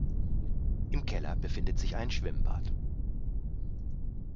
Im Keller befindet sich ein Schwimmbad.